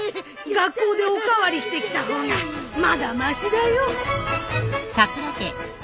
学校でお代わりしてきた方がまだましだよ。